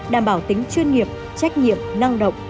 đảm bảo tính chuyên nghiệp trách nhiệm năng động